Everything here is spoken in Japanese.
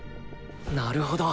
なるほど。